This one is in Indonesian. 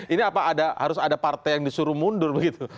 ini apa ada harus ada partai yang disuruh mundur begitu